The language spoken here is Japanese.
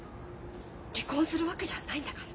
離婚するわけじゃないんだから。